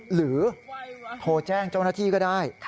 หรือโทรแจ้งเจ้าหน้าที่ก็ได้